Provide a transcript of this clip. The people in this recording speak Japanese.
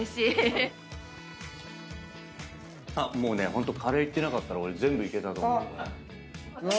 ホントカレーいってなかったら俺全部いけたと思う。